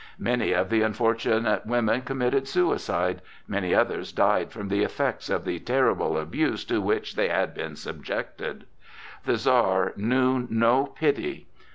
Many of the unfortunate women committed suicide, many others died from the effects of the terrible abuse to which they had been subjected. The Czar knew no pity.